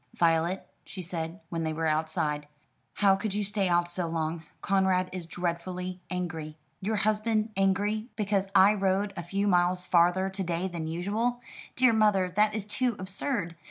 "Violet," she said, when they were outside, "how could you stay out so long? Conrad is dreadfully angry." "Your husband angry because I rode a few miles farther to day than usual? Dear mother, that is too absurd.